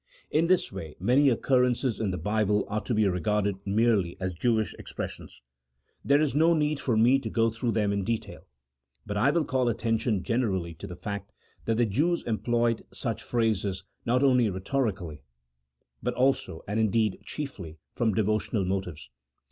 In this way many occurrences in the Bible are to be re garded merely as Jewish expressions. There is no need for me to go through them in detail ; but I will call atten tion generally to the fact that the Jews employed such phrases not only rhetorically, but also, and indeed chiefly, from devotional motives.